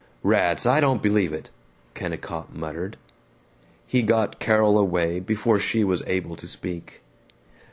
"Rats, I don't believe it," Kennicott muttered. He got Carol away before she was able to speak.